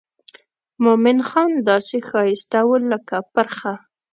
مومن خان داسې ښایسته و لکه پرخه.